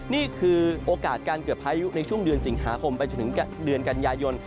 นี่คือโอกาสการเกิดพายุในช่วงเดือนสิงหาคมไปจนถึงเดือนกันยายน